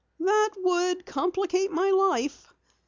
"That would complicate my life.